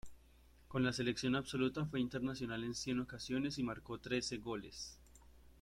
Con la selección absoluta fue internacional en cien ocasiones y marcó trece goles.